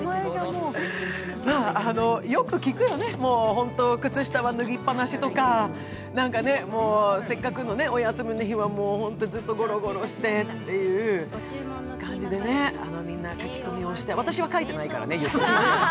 よく聞くよね、靴下は脱ぎっぱなしとか、せっかくのお休みの日はずっとゴロゴロしてという感じでね、みんな書き込みをして、私は書いてないからね。